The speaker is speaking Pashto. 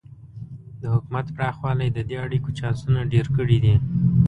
د حکومت پراخوالی د دې اړیکو چانسونه ډېر کړي دي.